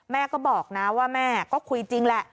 แม่ก็บอกนะว่าแม่ก็คุยจริงแหละ